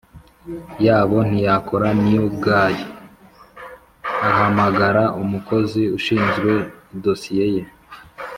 yabo ntiyakora Naw Gay ahamagara umukozi ushinzwe idosiye ye